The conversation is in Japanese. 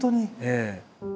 ええ。